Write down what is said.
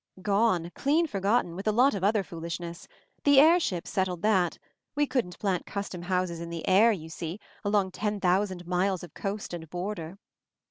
"Gone — clean forgotten — with a lot of other foolishness. The air ships settled that. We couldn't plant custom houses in the air, you see — along ten thousand miles of coast and border."